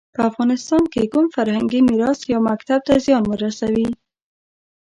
په افغانستان کې کوم فرهنګي میراث یا مکتب ته زیان ورسوي.